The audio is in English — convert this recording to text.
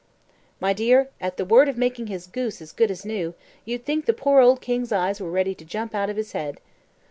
My dear, at the word of making his goose as good as new, you'd think the poor old king's eyes were ready to jump out of his head.